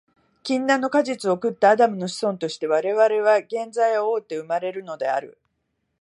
禁断の果実を食ったアダムの子孫として、我々は原罪を負うて生まれるのである。